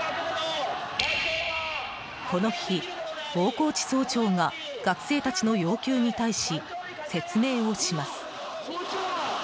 この日、大河内総長が学生たちの要求に対し説明をします。